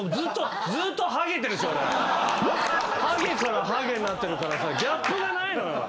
ハゲからハゲになってるからさギャップがないのよ。